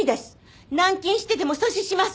軟禁してでも阻止します！